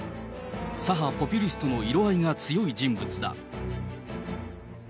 左派ポピュリストの色合いが強い人物だ。